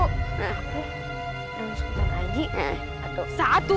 aku sama sultan ajih satu